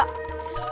satu dua tiga